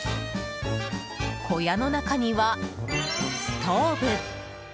小屋の中には、ストーブ。